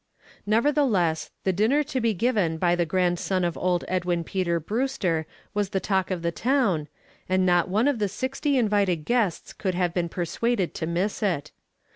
Nevertheless, the dinner to be given by the grandson of old Edwin Peter Brewster was the talk of the town, and not one of the sixty invited guests could have been persuaded to miss it.